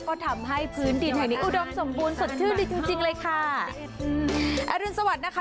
ก็ทำให้พื้นดินแห่งนี้อุดมสมบูรณ์สดชื่นดีจริงจริงเลยค่ะอรุณสวัสดิ์นะคะ